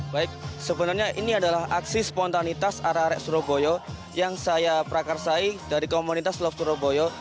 baik sebenarnya ini adalah aksi spontanitas arah arek surabaya yang saya prakarsai dari komunitas love surabaya